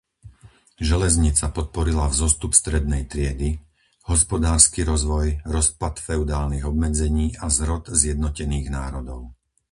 Železnica podporila vzostup strednej triedy, hospodársky rozvoj, rozpad feudálnych obmedzení a zrod zjednotených národov.